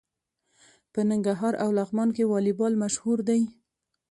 په ننګرهار او لغمان کې والیبال مشهور دی.